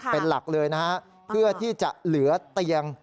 เป็นหลักเลยนะฮะเพื่อที่จะเหลือเตียง